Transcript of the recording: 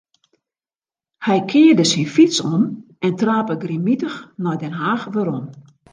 Hy kearde syn fyts om en trape grimmitich nei Den Haach werom.